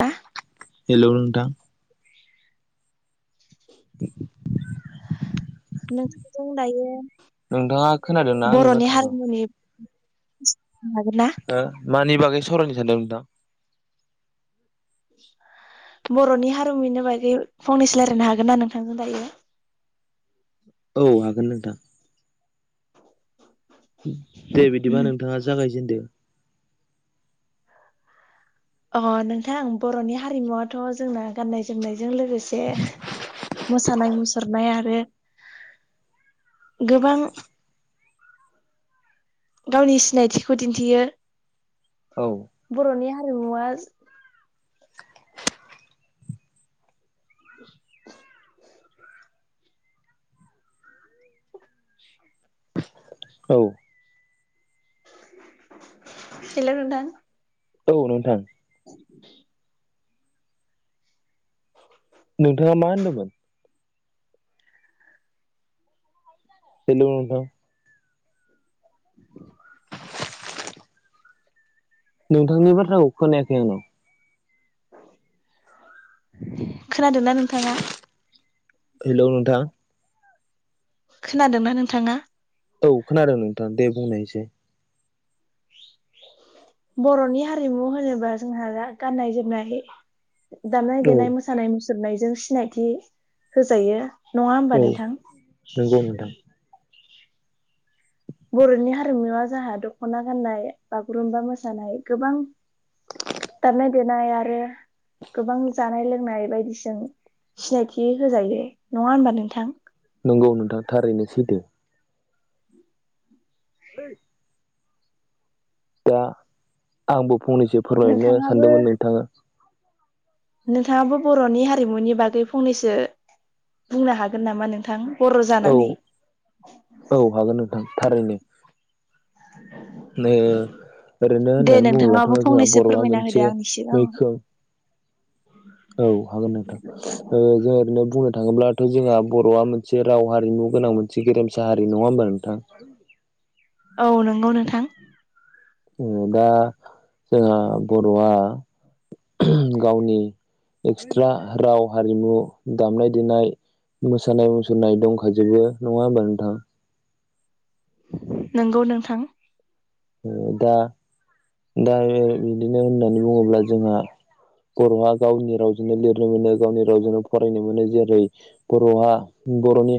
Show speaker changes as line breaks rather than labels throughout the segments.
बा
हेलौ नोंथां द
नोंसोरजों दायो
नोंथाङा खोनादोंना आंनि बाथ्राखौ?
हागोनना?
हो मानि बागै सावरायनो सानदों नोंथां?
बर'नि हारिमुनो बागै फंनैसो रायलायनो हागोन ना नोंथांजों दायो?
औ हागोन नोंथां। दे बिदिबा नोंथाङा जागायजेनदो।
अ नोंथां बर'नि हारिमुवथ' जोंना गाननाय जोमनायजों लोगोसे मोसानाय मु सुरनाय आरो गोबां गावनि सिनायथिखौ दिन्थियो।
औ
बर'नि हारिमुवा
औ
हेलौ नोथां?
औ नोंथां
[inaudible]
नोंथाङा मा होनदोंमोन? हेलौ नोंथां?
[inaudible]
नोंथांनि बाथ्राखौ खोनायाखै आंनाव।
खोनादोंना नोंथाङा?
हेल' नोंथां?
खोनादोंना नोंथाङा?
औ खोनादों नोंथां दे बुंनायसै।
बर'नि हारिमु होनोबा जोंहा दा गाननाय जोमनाय दामनाय
औ
देनाय मोसानाय मुसुरनायजों सिनायथि होजायो। नङा होमबा
औ
नोंथां?
नंगौ नोंथां
बर'नि हारिमुवा जोंहा दख'ना गाननाय बागुरुम्बा मोसानाय गोबां दामानाय देनाय आरो गोबां जानाय लोंनाय बायदिजों सिनायथि होजायो नङा होमबा नोंथां?
नंगौ नोंथाङा थारैनो सैथो। [inaudible] दा आंबो फंनैसो फोरमायहरनो
नोंथाङाबो
सानदोंमोन नोंथानो।
नोंथाङाबो बर'नि हारिमुनि बागै फंनैसो बुंनो हागोन नामा नोंथां? बर'
औ
जानानै
औ हागोन नोंथां थारैनो ओ ओरैनो
[inaudible] दे
होननानै बुङोब्लाथ'
नोंथाङाबो
जोंहा
फंनैसो
बर'आ
फोरमायना
मोनसे
होदो आंनि सिगां
मैखोम औ हागोन नोंथां जों ओरैनो बुंनो थाङोब्लाथ' जोंहा बर'आ मोनसे राव हारिमु गोनां मोनसे जि गेरमसा हारि नङा होमबा नोंथां
औ नंगौ नोंथां।
दा जोंहा बर'आ गावनि एक्सट्रा राव हारिमु दामनाय देनाय मोसानाय मुसुरनाय दंखाजोबो नङा होमबा नोंथां?
नंगौ नोंथां।
दा दा बिदिनो होननानै बुङोब्ला जोंहा बर'आ गावनि रावजोंनो लिरनो मोनो गावनि रावजोंनो फरायनो मोनो जेरै बर'आ बर'नि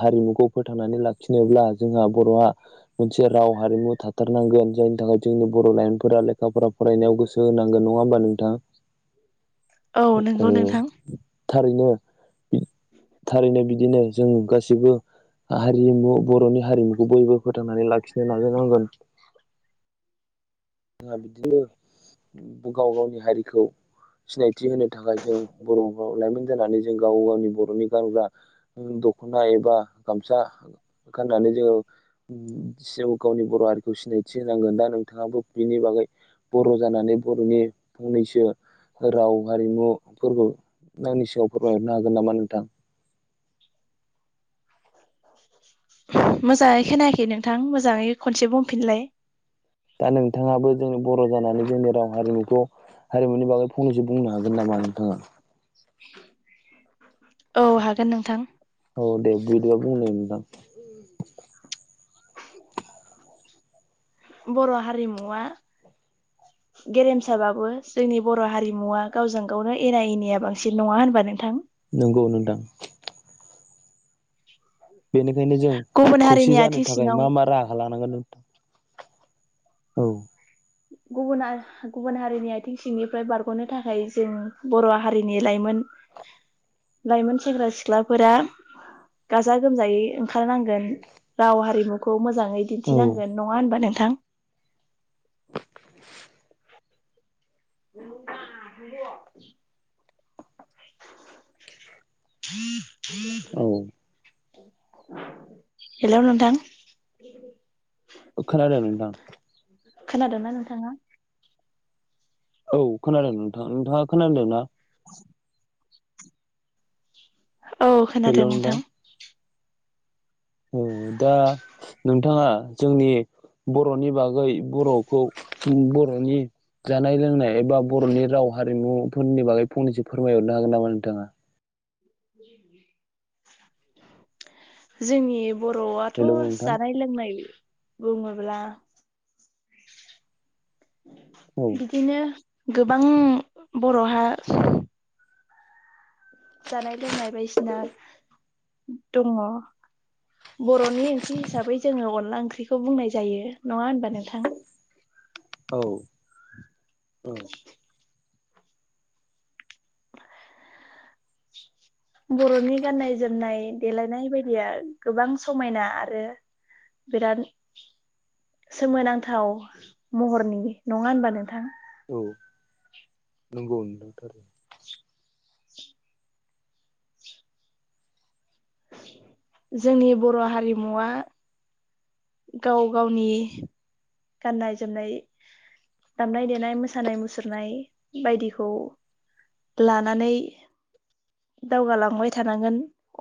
हारिमुखौ फोथांनानै लाखिनोब्ला जोंहा बर'आ मोनसे राव हारिमु थ हथारनांगोन जायनि थाखाय जोंनि बर' लाइमोनफोरा लेखाफोरा फरायनायाव गोसो होनांगोन नङा होमबा नोंथाङा
[inaudible] औ नंगौ नोंथां
थारैनो थारैनो बिदिनो जों गासैबो हारिमु बर'नि हारिमुखौ बयबो फोथांनानै लाखिनो नाजानांगोन जोंहा बिदिनो गाव गावनि हारिखौ सिनायथि होनो थाखाय जों बर'ाव लाइमोन जानानै जों गाव गावनि बर'नि गानग्रा दख'ना एबा गामसा गाननानै जोङो जिउ गावनि बर' आरोखि खौ सिनायथि होनांगोन दा नोंथाङाबो बिनि बागै बर' जानानै बर'नि फंनैसो राव हारिमुफोरखौ आंनि सिगाङाव फोरमायहरनो हागोन नामा नोंथां
मोजाङै खोनायाखै नोंथां मोजाङै खनसे बुंफिनलाय
दा नोंथाङाबो जोंनि बर' जानानै जोंनि राव हारिमुखौ हारिमुनि बागै फंनैसो बुंनो हागोन नामा नोंथाङा
औ हागोन नोंथां
औ दे गद बाबु ने दा
बर' हारिमुआ गेरेमसाबाबो जोंनि बर' हारिमुवा गावजों गावनो एना एनिया बांसिन नङा होनबा नोंथां
नंगौ नोंथां बेनिखायनो जों
गुबुन
खौसे
हारिनि
जानो
आथिं
थाखाय
सिङाव
मा मा राहा लानांगोन नों औ
गुबुन आरो गुबुन हारिनि आथिं सिंनिफ्राय बारग'नो थाखाय जों बर' हारिनि लाइमोन लाइमोन सेंग्रा सिख्लाफोरा गाजा गोमजायै ओंखारनांगोन राव हारिमुखौ मोजाङै
औ
दिन्थिनांगोन नङा होनबा नोंथां
[inaudible]
[inaudible] ह ह
औ
[inaudible] हेल' नोंथां
अखार द मोन दां
खोनादोंना नोंथाङा
औ खोनादों नोंथां नोंथाङा खोनादों ना
[inaudible] औ खोनादों नोंथां
औ दा नोंथाङा जोंनि बर'नि बागै बर'खौ बर'नि जानाय लोंनाय एबा बर'नि राव हारिमुफोरनि बागै फंनैसो फोरमायहरनो हागोन नामा नोंथाङा?
जोंनि बर'आथ'
हेलौ नोंथां
जानाय लोंनाय बुङोब्ला
औ
बिदिनो गोबां बर'हा जानाय लोंनाय बायदिसिना दङ बर'नि ओंख्रि हिसाबै जोङो अनला ओंख्रिखौ बुंनाय जायो नङा होनबा नोंथां?
औ औ
बर'नि गाननाय जोमनाय देलायनाय बायदिया गोबां समायना आरो बिराद सोमोनांथाव महरनि नङा होनबा नोंथां
औ नंगौ नोंथां
[inaudible] जोंनि बर' हारिमुवा गाव गावनि गाननाय जोमनाय दामनाय देनाय मोसानाय मुसुरनाय बायदिखौ लानानै दावगालांबाय थानांगोन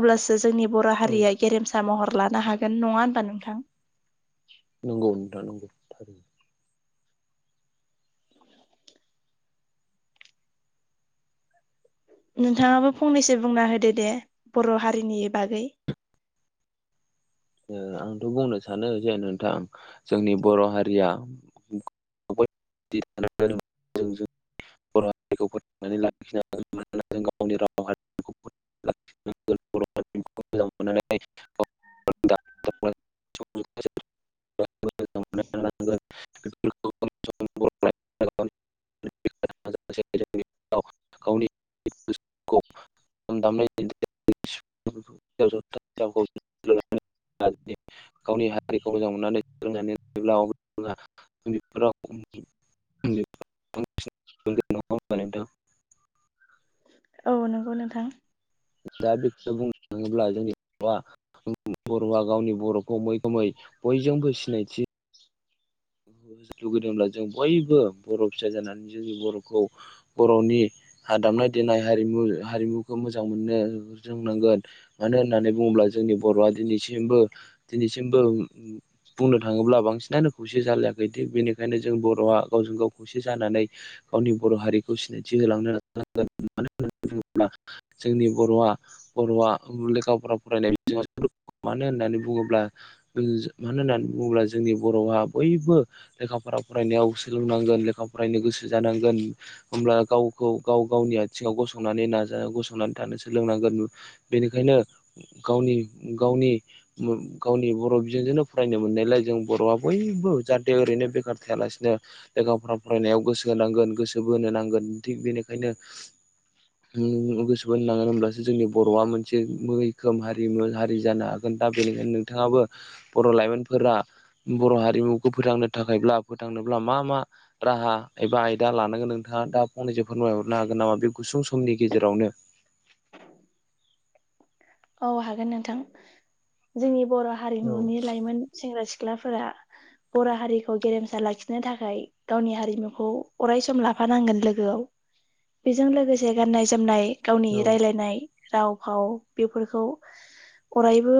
अब्लासो जोंनि बर'
औ
हारिया गेरेमसा महर लानो हागोन नङा होनबा नोंथां?
नंगौ नोंथां नांगौ थारैनो
नोंथाङाबो फंनैसो बुंना होदो दे बर' हारिनि बागै
ओ आंथ' बुंनो सानो जे नोंथां जोंनि बर' हारिया [unintelligible] बर' हारिखौ फोथांनानै लाखिनांगोन जों गावनि राव हारिखौ फोथांनानै नानै [unintelligible] [unintelligible]
[inaudible]
[unintelligible] खौ खाम दामनाय देनाय [unintelligible] [unintelligible] गावनि हारिखौ मोजां मोननानै सोलोंनानैयोब्ला [unintelligible] [unintelligible] बा नोंथां
औ नंगौ नोंथां
दा बेखौनो बुंनो थाङोब्ला जोंनि बर'आ बर'आ गावनि बर'खौ मैखोमै बयजोंबो सिनायथि लुगैदोंब्ला जों बयबो बर' फिसा जानानै जोंनि बर'खौ बर'नि हा दामनाय देनाय हारिमु हारिमुखौ मोजां मोननो रोंनांगोन मानो होननानै बुङोब्ला जोंनि बर'आ दिनैसिमबो दिनैसिमबो बुंनो थाङोब्ला बांसिनानो खौसे जालायाखै थिग बेनिखायनो जों बर'आ गावजों गाव खौसे जानानै गावनि बर' हारिखौ सिनायथि होलांनो नांगोन मानो होननानै बुङोब्ला जोंनि बर'आ बर'आ गुबुन लेखा फरा फरायनाय बिथिङाव मानो होननानै बुङोब्ला मानो होननानै बुङोब्ला जोंनि बर'आ बयबो लेखा फरा फरायनायाव सोलोंनांगोन लेखा फरायनो गोसो जानांगोन होमब्ला गावखौ गाव गावनि आथिङाव गसंनानै नाजानो गसंनानै थानो सोलोंनांगोन बेनिखायनो गावनि गावनि गावनि बर' बिजोंजोंनो फरायनो मोननायलाय जों बर'आ बै बो जाहाथे ओरैनो बेखार थायालासिनो लेखा-फरा फरायनायाव गोसो होनांगोन गोसो बोनो नांगोन थिग बेनिखायनो
[unintelligible]
गोसो बोनांगोन होनोमब्लासो जोंनि बर'आ मोनसे मैखोम हारिम हारि जानो हागोन दा बेनिखायनो बिथाङाबो बर' लाइमोनफोरा बर' हारिमु खौ फोथांनो थाखायब्ला फोथांनोब्ला मा मा राहा एबा आयदा लानांगोन नोंथाङा दा फंनैसो फोरमायहरनो हागोन नामा बे गुसुं समनि गेजेरावनो
औ हागोन नोंथां जोंनि बर' हारिमुनि लाइमोन सेंग्रा सिख्लाफोरा बर' हारिखौ गेरेमसा लाखिनो थाखाय गावनि हारिमुखौ अराय सम लाफानांगोन लोगोआव बेजों लोगोसे गाननाय जोमनाय गावनि रायलायनाय राव फाव बेफोरखौ अरायबो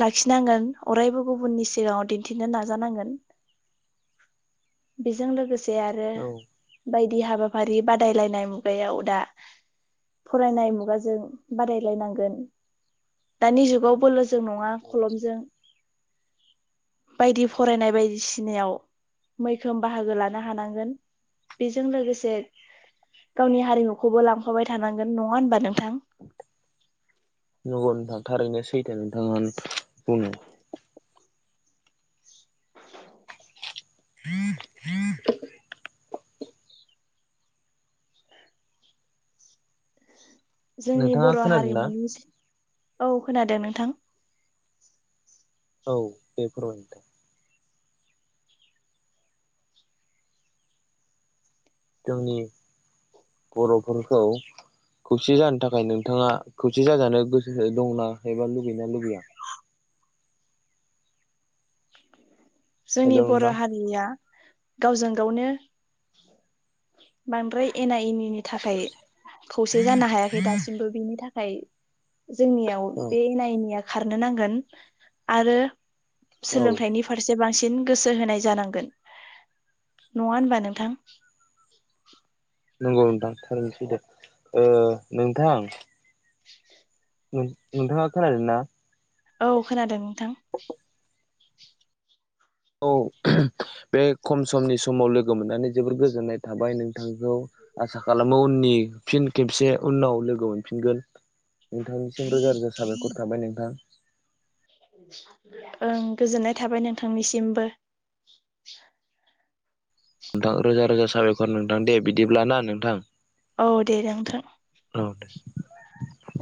लाखिनांगोन अरायबो गुबुननि सिगाङाव दिन्थिनो नाजानांगोन। बेजों लोगोसे आरो
औ
बायदि हाबाफारि बादायलायनाय मुगायाव दा फरायनाय मुगाजों बादायलायनांगोन। दानि जुगाव बोलो जों नङा खलमजों बायदि फरायनाय बायदिसिनायाव मैखोम बाहागो लानो हानांगोन। बेजों लोगोसे गावनि हारिमुखौबो लांफाबाय थानांगोन नङा होनबा नोंथां।
नगौ‌ नोंथां थारैनो सैथो नोंथां बुङो।
औ
न न [unintelligible]
जोंनि
नोंथाङा
बर'
खोनादोंना
हारिमुनि औ खोनादों नोंथां।
औ बेफोर [unintelligible] जोंनि बर'फोरखौ खौसे जानो थाखाय नोंथाङा खौसे जाजानो गोसो दंना एबा लुगैनाा लुगैया। हेल'
जोंनि बर'
नोंथां
हारिया गावजों गावनो बांद्राय एना एनि बिनि थाखाय खौसे जानो हायाखै दासिमबो बिनि थाखाय जोंनियाव बे एना एनिया खारनो नांगोन आरो
औ औ
सोलोंथाइनि फारसे बांसिन गोसो होनाय जानांगोन नङा होनबा नोंथां।
नंगौ नोंथां हरनोसै दे नोंथां। [unintelligible] नोंथाङा खोनादों ना
औ खोनादों नोंथां।
औ बे खम समनि समाव लोगो मोननानै जोबोर गोजोननाय थाबाय नोंथांखौ। आसा खालामो उननि फिन खेबसे उनाव लोगो मोनफिनगोन। नोंथांनिसिम रोजा रोजा साबायखर थाबाय नोंथां।
ओं गोजोननाय थाबाय नोंथांनिसिमबो
नोंथां रोजा रोजा साबायखर नोंथां दे बिदिब्लााना नोंथां।
औ दे दे नोंथां।
औ दे